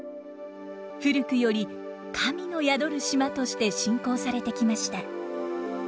古くより神の宿る島として信仰されてきました。